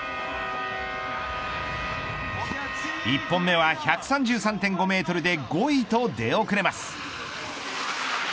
１本目は１３３．５メートルで５位と出遅れます。